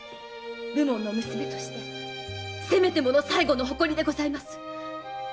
武門の娘としてせめてもの最後の誇りでございます。